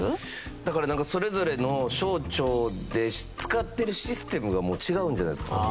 だからなんかそれぞれの省庁で使ってるシステムがもう違うんじゃないですか？